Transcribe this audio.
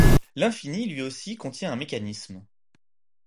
L’infini, lui aussi, contient un mécanisme.